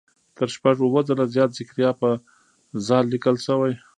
تر شپږ اووه ځله زیات زکریا په "ذ" لیکل شوی.